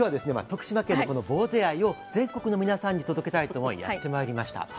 徳島県のこのぼうぜ愛を全国の皆さんに届けたいと思いやってまいりました。